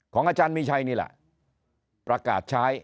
อาจารย์มีชัยนี่แหละประกาศใช้